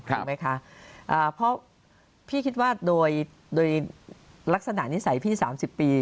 ถูกไหมคะเพราะพี่คิดว่าโดยโดยลักษณะนิสัยพี่๓๐ปี